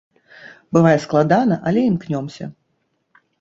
Бывае складана, але імкнёмся.